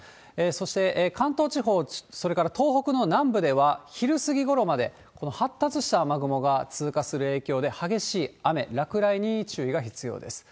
そして関東地方、それから東北の南部では、昼過ぎごろまで、この発達した雨雲が通過する影響で、激しい雨、落雷に注意が必要です。